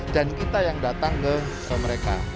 dan kita yang datang ke mereka